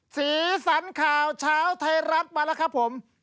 สีสันข่าวเช้าไทยรัฐมาแล้วครับผม